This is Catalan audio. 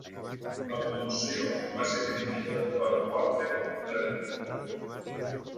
La producció va ser dirigida per Walter Learning.